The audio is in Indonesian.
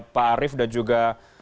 pak arief dan juga